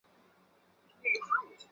呼吸作用是一种酶促氧化反应。